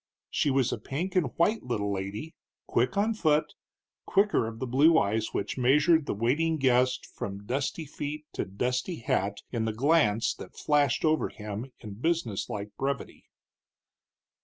She was a pink and white little lady, quick on foot, quicker of the blue eyes which measured the waiting guest from dusty feet to dusty hat in the glance that flashed over him in business like brevity.